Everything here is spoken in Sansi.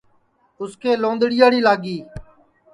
اُس کے لونٚدڑیاڑی لاگی ہے